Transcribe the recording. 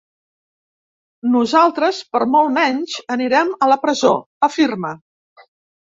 Nosaltres, per molt menys, anirem a la presó, afirma.